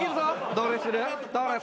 どれにする？